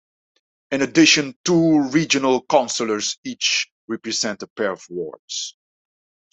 In addition, two regional councillors each represent a pair of wards.